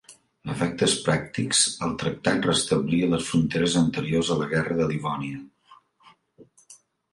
A efectes pràctics, el tractat restablia les fronteres anteriors a la Guerra de Livònia.